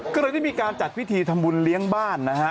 ก็เลยได้มีการจัดพิธีทำบุญเลี้ยงบ้านนะฮะ